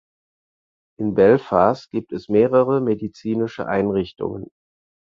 In Belfast gibt es mehrere medizinische Einrichtungen.